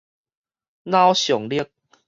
腦像力